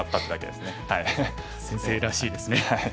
先生らしいですね。